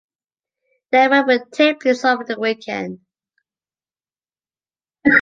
The event will take place over the weekend.